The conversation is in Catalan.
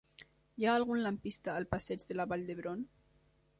Hi ha algun lampista al passeig de la Vall d'Hebron?